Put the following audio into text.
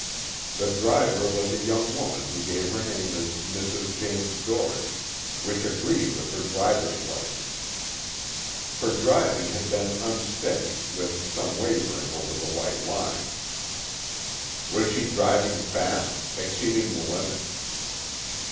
The driver was a young woman who gave her name as Mrs. James Doherty, which agreed with her driver's license. Her driving had been unsteady, with some wavering over the white line. "Was she driving fast, exceeding the limit?"